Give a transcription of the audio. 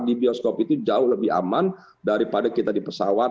di bioskop itu jauh lebih aman daripada kita di pesawat